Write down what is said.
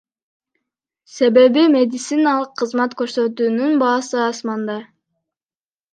Себеби медициналык кызмат көрсөтүүнүн баасы асманда.